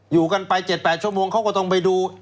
อยู่กันไป๗๘ชั่วโมงเขาก็ต้องไปดู